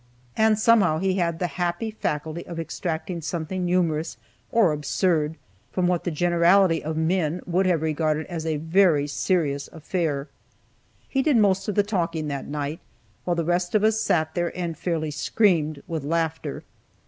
And somehow he had the happy faculty of extracting something humorous, or absurd, from what the generality of men would have regarded as a very serious affair. He did the most of the talking that night, while the rest of us sat there and fairly screamed with laughter.